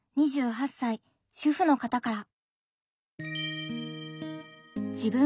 ２８歳主婦の方から。